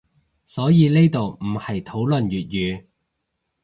所以呢度唔係討論粵語